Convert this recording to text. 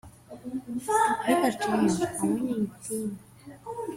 Never change a winning team.